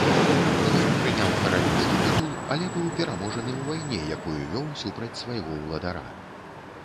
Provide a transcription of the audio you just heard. Ён прыняў каралеўскі тытул, але быў пераможаны ў вайне, якую вёў супраць свайго ўладара.